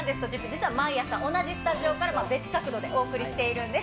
実は毎朝、同じスタジオから別角度でお送りしているんです。